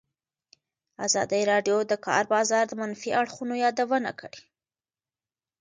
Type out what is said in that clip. ازادي راډیو د د کار بازار د منفي اړخونو یادونه کړې.